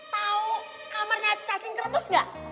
tau kamarnya cacing kremes gak